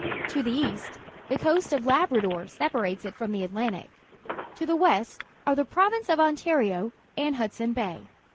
To the east the Coast of Labrador separates it from the Atlantic; to the west are the Prolan ce of Ontario and Hudson Bay.